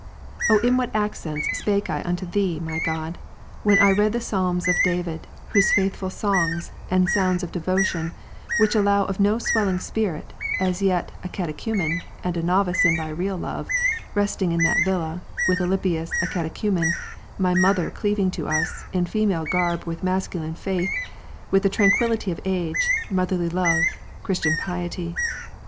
8. Oh in what accents spake I unto Thee, my God, when i I read the Psalms of David, those faithful songs, and sounds A of devotion, which allow of no swelling spirit, as yet a Cate ■' chumen, and a novice in Thy real love, resting in that villa, with Alypius a Catechumen, my mother cleaving to us, in female garb with masculine faith, with the tranquillity of age, motherly love, Christian piety.